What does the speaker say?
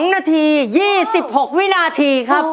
๒นาที๒๖วินาทีครับ